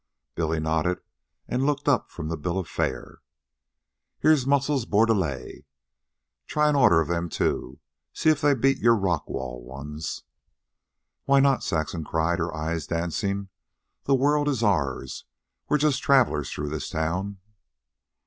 Billy nodded, and looked up from the bill of fare. "Here's mussels bordelay. Try an order of them, too, an' see if they beat your Rock Wall ones." "Why not?" Saxon cried, her eyes dancing. "The world is ours. We're just travelers through this town."